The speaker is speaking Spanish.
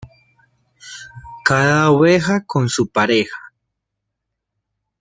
Cada oveja con su pareja.